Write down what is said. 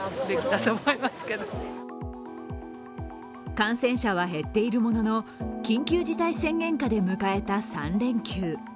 感染者は減っているものの、緊急事態宣言下で迎えた３連休。